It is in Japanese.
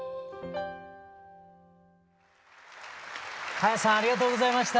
花耶さんありがとうございました。